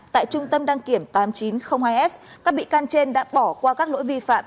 tại trung tâm đăng kiểm tám nghìn chín trăm linh hai s các bị can trên đã bỏ qua các lỗi vi phạm